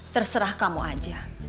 terserah kamu aja